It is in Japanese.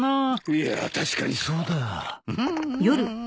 いやあ確かにそうだ。